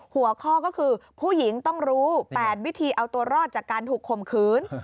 หัวข้อก็คือผู้หญิงต้องรู้๘วิธีเอาตัวรอดจากการถูกข่มขืน